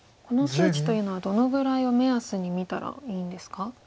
この数値というのはどのぐらいを目安に見たらいいんですか？